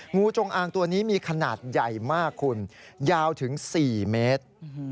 งูจงอางตัวนี้มีขนาดใหญ่มากคุณยาวถึง๔เมตร